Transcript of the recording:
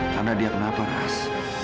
karena dia kenapa ras